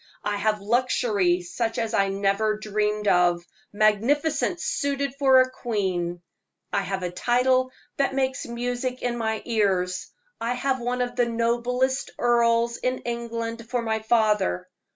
I have luxury such as I never dreamed of magnificence suited for a queen! I have a title that makes music in my ears! I have one of the noblest earls in England for my father!